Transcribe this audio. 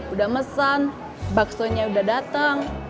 udah mesan bakso nya udah datang